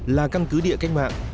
là căn cứ địa cách mạng